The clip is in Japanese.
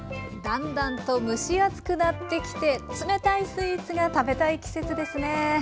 だんだんと蒸し暑くなってきて冷たいスイーツが食べたい季節ですね。